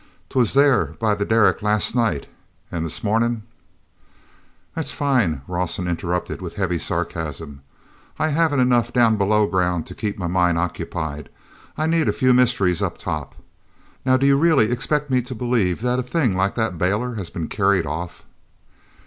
'Twas there by the derrick last night, and this marnin'—" "That's fine," Rawson interrupted with heavy sarcasm. "I haven't enough down below ground to keep my mind occupied—I need a few mysteries up top. Now do you really expect me to believe that a thing like that bailer has been carried off?"